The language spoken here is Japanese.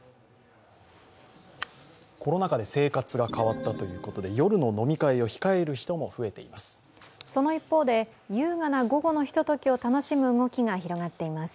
コロナ禍で生活が変わったということで夜の飲み会を控える人も増えています。